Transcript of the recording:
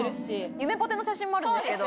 ゆめぽての写真もあるんですけど。